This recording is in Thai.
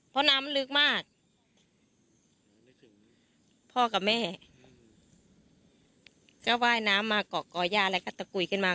เพราะน้ำมันลึกมากนึกถึงพ่อกับแม่ก็ว่ายน้ำมาเกาะก่อย่าแล้วก็ตะกุยขึ้นมา